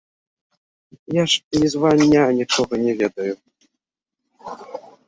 Я ж нізвання нічога не ведаю.